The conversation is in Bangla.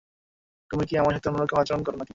তুমি কি আমার সাথে অন্যরকম আচরণ করো নাকি?